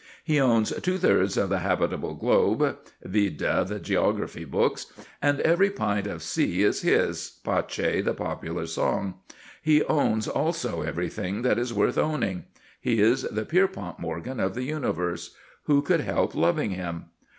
He owns two thirds of the habitable globe (vide the geography books), and every pint of sea is his (pace the popular song); he owns also everything that is worth owning. He is the Pierpont Morgan of the universe. Who could help loving him?